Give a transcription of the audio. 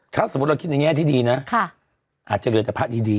คลับสมมติเราคิดง่ายที่ดีนะอาจจะเหลือแต่พระที่ดี